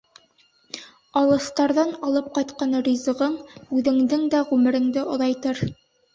Алыҫтарҙан алып ҡайтҡан ризығың үҙеңдең дә ғүмереңде оҙайтыр.